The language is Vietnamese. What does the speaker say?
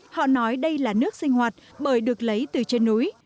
họ nói đây là nước sinh hoạt bởi được lấy từ trên núi